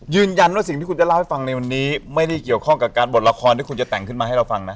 สิ่งที่คุณจะเล่าให้ฟังในวันนี้ไม่ได้เกี่ยวข้องกับการบทละครที่คุณจะแต่งขึ้นมาให้เราฟังนะ